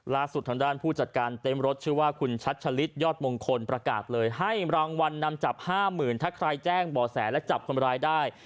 ล่าสุดทางด้านผู้จัดการเต็มรถชื่อว่าคุณชัชลิดยอดมงคลประกาศเลยให้รางวัลนำจับ๕๐๐๐ถ้าใครแจ้งบ่อแสและจับคนร้ายได้